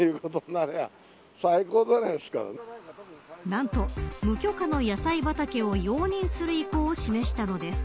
何と無許可の野菜畑を容認する意向を示したのです。